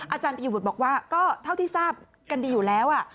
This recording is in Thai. อาจารย์ปียบุตรบอกว่าก็เท่าที่ทราบกันดีอยู่แล้ว